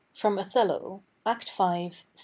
FROM "OTHELLO," ACT V. SC.